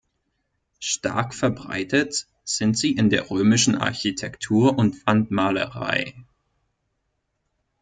Stark verbreitet sind sie in der römischen Architektur und Wandmalerei.